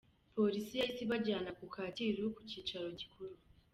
Polisi yahise ibajyana ku Kacyiru ku cyicaro gikuru.